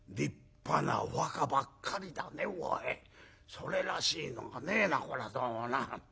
それらしいのがねえなこりゃどうもな」。